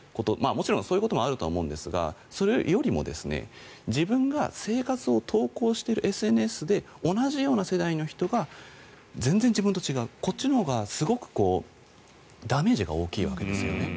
もちろんそういうこともあるとは思うんですがそれよりも、自分が生活を投稿しているＳＮＳで同じような世代の人が全然自分と違うこっちのほうがすごくダメージが大きいわけですね。